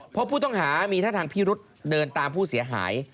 เพราะผู้ต้องหามีท่าทางพิรุษเดินตามผู้เสียหาย